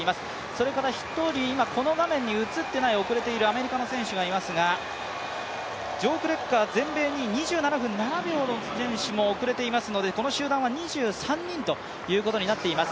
それから筆頭に、この画面に映っていないアメリカの選手がいますが、ジョー・クレッカー、全米２位の選手も遅れていますのでこの集団は２３人ということになっています。